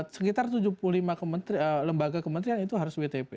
sekitar tujuh puluh lima lembaga kementerian itu harus wtp